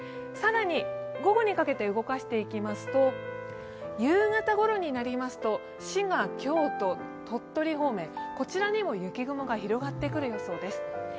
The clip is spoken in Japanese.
更に午後にかけて動かしていきますと、夕方ごろになりますと志賀、京都、鳥取方面、こちらにも雪雲が広がってくる予想です。